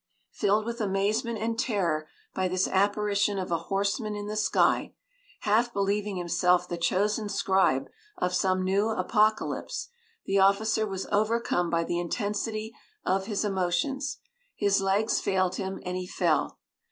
Filled with amazement and terror by this apparition of a horseman in the sky half believing himself the chosen scribe of some new apocalypse, the officer was overcome by the intensity of his emotions; his legs failed him and he fell.